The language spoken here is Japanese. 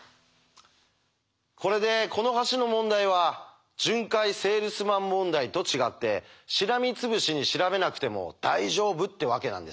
これでこの橋の問題は巡回セールスマン問題と違ってしらみつぶしに調べなくても大丈夫ってわけなんですね。